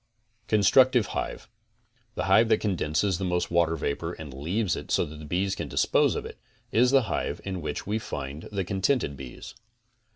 CONSTRUCTIVE HIVE The hive that condenses the most water vapor and leaves it so that the bees can dispose of it, is the hive in which we find the contented bees.